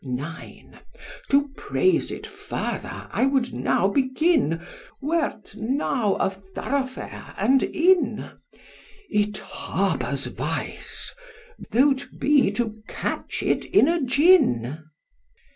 IX. To praise it further I would now begin Were 't now a thoroughfare and inn, It harbours vice, though 't be to catch it in a gin.